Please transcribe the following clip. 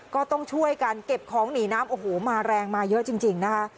ก็ต้องช่วยกันเก็บของหนีน้ำโอ้โหมาแรงมาเยอะจริงนะคะ